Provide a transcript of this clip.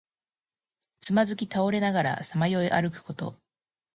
つまずき倒れながらさまよい歩くこと。